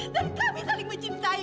dan kami saling mencintai